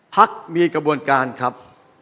พักมีกระบวนการครับ